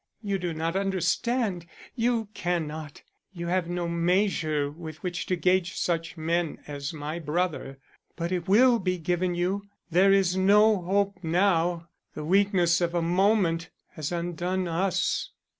You do not understand; you cannot. You have no measure with which to gauge such men as my brother. But it will be given you. There is no hope now. The weakness of a moment has undone us."